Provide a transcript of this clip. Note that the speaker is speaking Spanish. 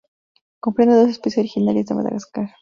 Comprende dos especies originarias de Madagascar.